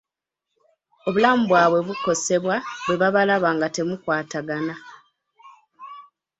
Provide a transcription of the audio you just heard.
Obulamu bwabwe bukosebwa bwe babalaba nga temukwatagana.